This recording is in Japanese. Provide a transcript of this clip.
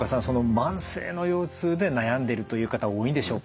慢性の腰痛で悩んでるという方多いんでしょうか？